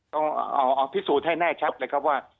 ต้องเอาพิสูจน์ให้แน่ชัดเลยครับว่า